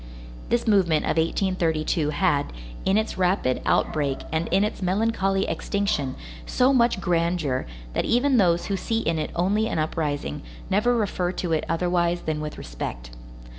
This movement of 1832 had, in its rapid outbreak and in its melancholy extinction, so much grandeur, that even those who see in it only an uprising, never refer to it otherwise than with respect.